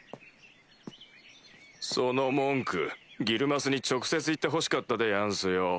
その文句ギルマスに直接言ってほしかったでやんすよ。